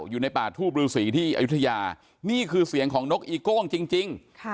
อยู่ในป่าทูบฤษีที่อายุทยานี่คือเสียงของนกอีโก้งจริง